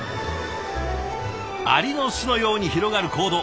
アリの巣のように広がる坑道。